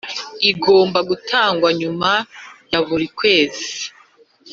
igomba gutangwa nyuma ya buri kwezi